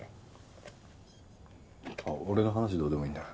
あっ俺の話はどうでもいいんだよ。